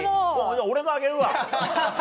俺のあげるわ。